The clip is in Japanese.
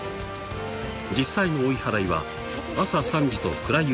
［実際の追い払いは朝３時と暗いうちに出動］